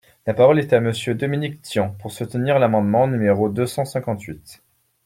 La parole est à Monsieur Dominique Tian, pour soutenir l’amendement numéro deux cent cinquante-huit.